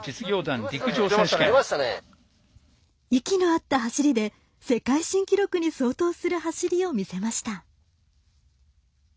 息の合った走りで世界新記録に相当する走りを見せました。